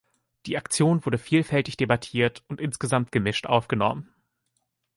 Die Aktion wurde vielfältig debattiert und insgesamt gemischt aufgenommen.